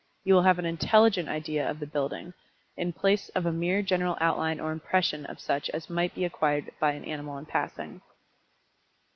you will have an intelligent idea of the building, in the place of a mere general outline or impression of such as might be acquired by an animal in passing.